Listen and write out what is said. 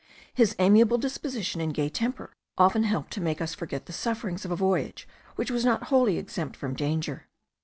His amiable disposition and gay temper often helped to make us forget the sufferings of a voyage which was not wholly exempt from danger.